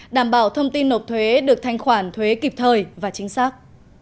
đảm bảo thông tin nộp thuế được thanh khoản thuế kịp thời và chính xác